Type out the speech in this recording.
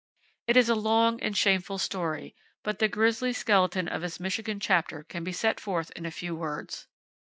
It is a long and shameful story, but the grisly skeleton of its Michigan chapter can be set forth in a few words.